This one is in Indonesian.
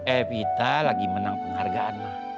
evita lagi menang penghargaan lah